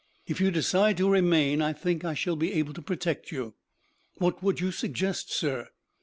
If you decide to remain I think I shall be able to protect you." "What would you suggest, sir?"